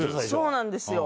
そうなんですよ。